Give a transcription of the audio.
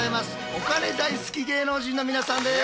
お金大好き芸能人の皆さんです。